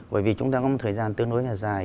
bởi vì chúng ta có một thời gian tương đối là dài